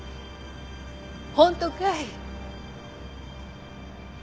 本当かい？